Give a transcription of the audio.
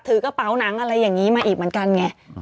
ถือกระเป๋าหนังอะไรอย่างนี้มาอีกเหมือนกันไง